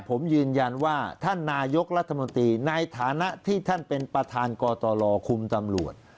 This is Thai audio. ผมยืนยันว่าท่านนายกรัฐมนตรีในฐานะที่ท่านเป็นประธานกตรคุมตำรวจ